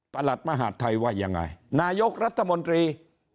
หลัดมหาดไทยว่ายังไงนายกรัฐมนตรี